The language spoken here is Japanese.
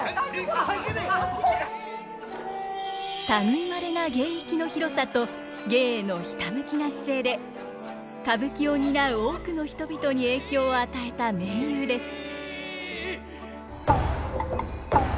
類いまれな芸域の広さと芸へのひたむきな姿勢で歌舞伎を担う多くの人々に影響を与えた名優です。